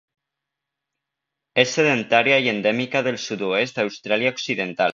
És sedentària i endèmica del sud-oest d'Austràlia Occidental.